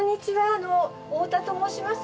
あの太田と申します。